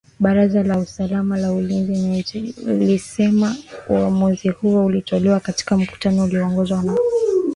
Baraza la usalama na ulinzi linalotawala limesema uamuzi huo ulitolewa katika mkutano ulioongozwa na kiongozi wa kijeshi.